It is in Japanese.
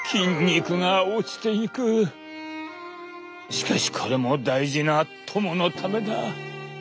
「しかしこれも大事な友のためだ。